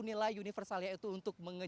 bagaimana perasaan anda